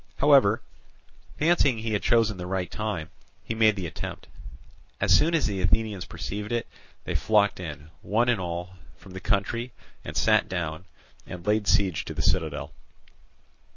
However, fancying he had chosen the right time, he made the attempt. As soon as the Athenians perceived it, they flocked in, one and all, from the country, and sat down, and laid siege to the citadel.